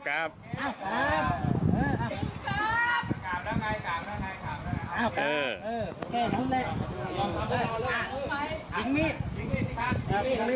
ขอบคุณครับ